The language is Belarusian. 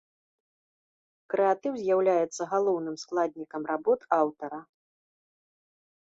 Крэатыў з'яўляецца галоўным складнікам работ аўтара.